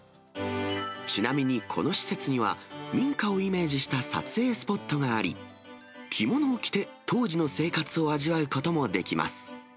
ちなみにこの施設には、民家をイメージした撮影スポットがあり、着物を着て、当時の生活を味わうこともできます。